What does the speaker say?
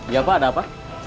ya pak ada apa